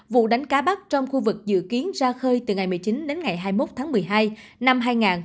vụ đánh cá bắt trong khu vực dự kiến ra khơi từ ngày một mươi chín đến ngày hai mươi một tháng một mươi hai năm hai nghìn hai mươi